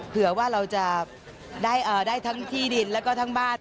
เผื่อว่าเราจะได้ทั้งที่ดินแล้วก็ทั้งบ้าน